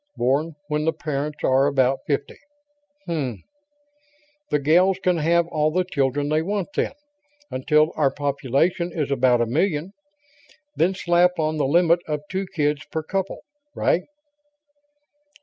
Born when the parents are about fifty ... um m m. The gals can have all the children they want, then, until our population is about a million; then slap on the limit of two kids per couple. Right?"